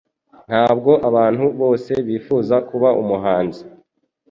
Ntabwo abantu bose bifuza kuba umuhanzi.